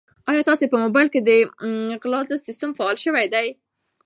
آیا ستاسو په موبایل کې د غلا ضد سیسټم فعال شوی دی؟